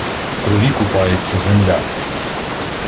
В крові купається земля!